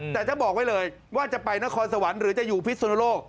แต่จะบอกไว้เลยว่าจะไปนครสวรรค์หรือจะอยู่พิสุนโลก